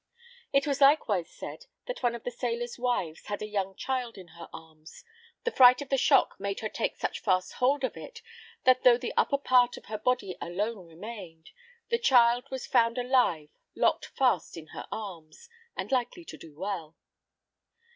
It was likewise said, that one of the sailors' wives had a young child in her arms; the fright of the shock made her take such fast hold of it, that though the upper part of her body alone remained, the child was found alive locked fast in her arms, and likely to do well.